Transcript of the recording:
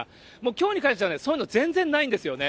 きょうに関してはそういうの全然ないんですよね。